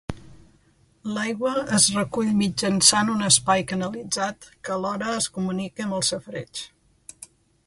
L'aigua es recull mitjançant un espai canalitzat que alhora es comunica amb el safareig.